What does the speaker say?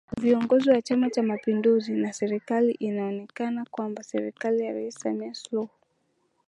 viongozi wa Chama Cha Mapinduzi na serikali inaonekana kwamba serikali ya Rais Samia Suluhu